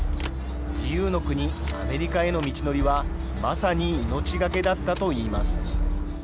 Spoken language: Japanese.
自由の国、アメリカへの道のりは、まさに命懸けだったといいます。